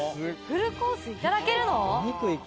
フルコースいただけるの？